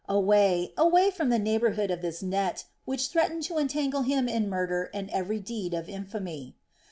Away, away from the neighborhood of this net, which threatened to entangle him in murder and every deed of infamy.